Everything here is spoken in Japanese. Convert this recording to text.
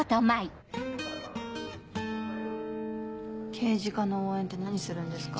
刑事課の応援って何するんですか？